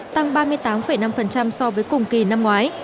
tăng ba mươi tám năm so với cùng kỳ năm ngoái